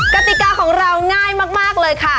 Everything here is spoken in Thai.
กติกาของเราง่ายมากเลยค่ะ